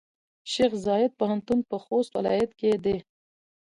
شیخزاید پوهنتون پۀ خوست ولایت کې دی.